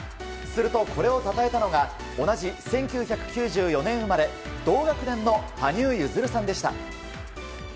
すると、これをたたえたのが同じ１９９４年生まれ同学年の羽生結弦さんでした。